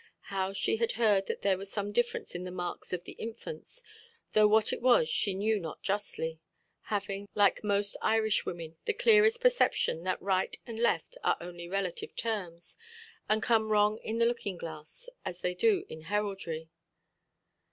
How she had heard that there was some difference in the marks of the infants, though what it was she knew not justly; having, like most Irishwomen, the clearest perception that right and left are only relative terms, and come wrong in the looking–glass, as they do in heraldry.